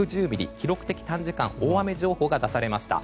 記録的短時間大雨情報が出されました。